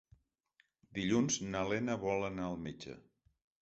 Dilluns na Lena vol anar al metge.